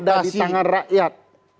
ada di tangan rakyat